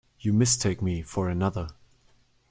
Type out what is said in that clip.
You mistake me for another.